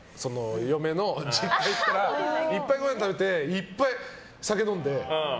嫁の実家行ったらいっぱいごはん食べていっぱい酒飲んで。